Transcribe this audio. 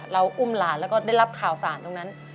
อุ้มหลานแล้วก็ได้รับข่าวสารตรงนั้น